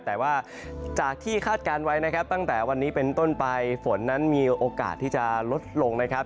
แต่ว่าจากที่คาดการณ์ไว้นะครับตั้งแต่วันนี้เป็นต้นไปฝนนั้นมีโอกาสที่จะลดลงนะครับ